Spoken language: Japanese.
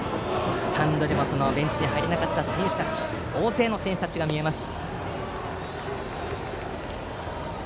スタンドにもベンチに入れなかった大勢の選手たちが見えます。